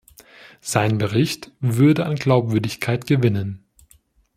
Sein Bericht würde an Glaubwürdigkeit gewinnen.